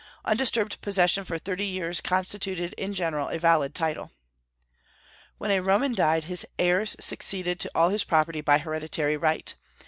Undisturbed possession for thirty years constituted in general a valid title. When a Roman died, his heirs succeeded to all his property by hereditary right.